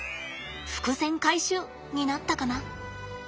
「伏線回収！」になったかな？